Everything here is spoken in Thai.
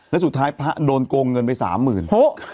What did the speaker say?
แล้วสุดท้ายพระโดนโกงเงินไป๓๐๐๐๐บาท